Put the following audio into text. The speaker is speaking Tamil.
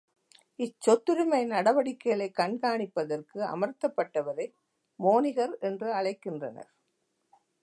இச்சொத்துரிமை நடவடிக்கைகளைக் கண்காணிப்பதற்கு அமர்த்தப்பட்டவரை மோணிகர் என்று அழைக்கின்றனர்.